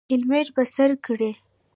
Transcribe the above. هیلمټ په سر کړئ